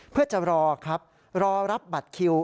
เพื่อจะรอครับรอรับบัตรคิว